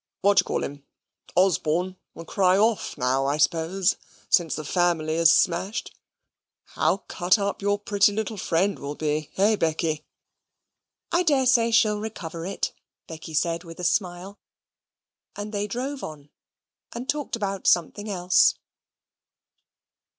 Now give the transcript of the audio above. "What d' ye call'em 'Osborne,' will cry off now, I suppose, since the family is smashed. How cut up your pretty little friend will be; hey, Becky?" "I daresay she'll recover it," Becky said with a smile and they drove on and talked about something else.